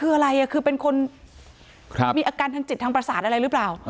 คืออะไรคือเป็นคนมีอาการทางจิตทางประสาทอะไรหรือเปล่า